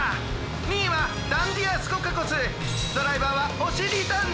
２いはダンディア・スコカコスドライバーはおしりダンディ！